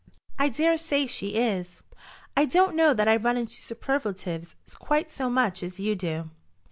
"I dare say she is. I don't know that I run into superlatives quite so much as you do."